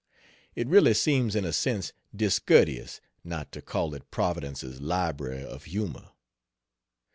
It really seems in a sense discourteous not to call it "Providence's Library of Humor."